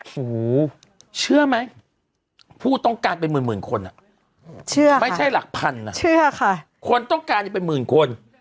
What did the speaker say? โหเชื่อไหมผู้ต้องการเป็นหมื่นคนไม่ใช่หลักพันคนต้องการเป็นหมื่นคน